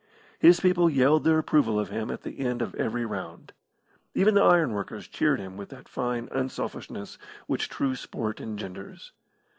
His people yelled their approval of him at the end of every round. Even the iron workers cheered him with that fine unselfishness which true sport engenders.